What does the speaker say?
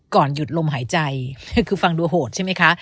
ก่อนหยุดลมหายใจคือฟังดูโหดใช่ไหมคะ